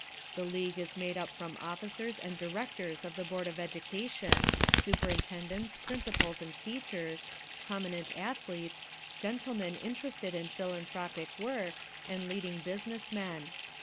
The league is made up from officers and directors of the board of education, superintendents, principals and teachers, prominent athletes, gentlemen interested in philanthropic work, and leading business men.